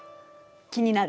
気になる？